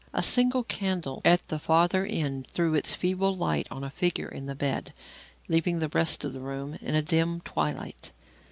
A single candle at the farther end threw its feeble light on a figure in the bed, leaving the rest of the room in a dim twilight.